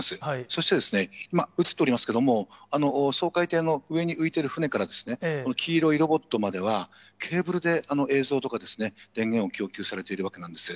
そしてですね、今、写っておりますけれども、掃海艇の上に浮いている船から、この黄色いロボットまでは、ケーブルで映像とか、電源を供給されているわけなんです。